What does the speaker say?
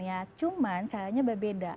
ya cuman caranya berbeda